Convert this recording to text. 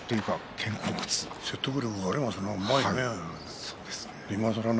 説得力がありますな。